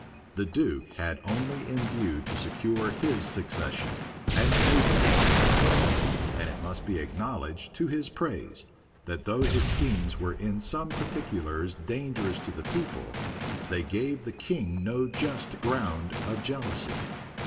The duke had only in view to secure his succession, and favor the Catholics, and it must be acknowledged to his praise, that though his schemes were in some particulars dangerous to the people, they gave the king no just ground of jealousy.